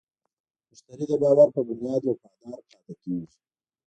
مشتری د باور په بنیاد وفادار پاتې کېږي.